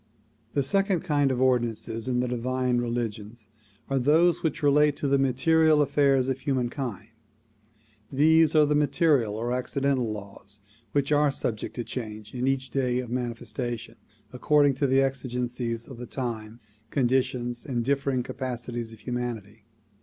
The second kind of ordinances in the divine religions are those which relate to the material affairs of humankind. These are the material or accidental laws which are subject to change in each day of manifestation, according to exigencies of the time, conditions and differing capacities of humanity.